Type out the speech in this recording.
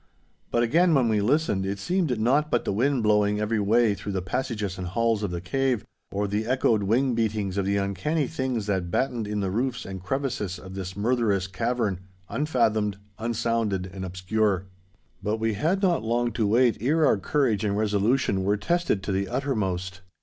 But again, when we listened, it seemed naught but the wind blowing every way through the passages and halls of the cave, or the echoed wing beatings of the uncanny things that battened in the roofs and crevices of this murtherous cavern, unfathomed, unsounded, and obscure. But we had not long to wait ere our courage and resolution were tested to the uttermost.